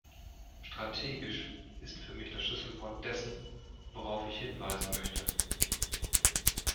Strategisch ist für mich das Schlüsselwort dessen, worauf ich hinweisen möchte.